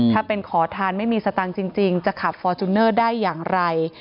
ถ้าเป็นขอทานไม่มีสตังค์จริงจะขับฟอร์จูเนอร์ได้อย่างไร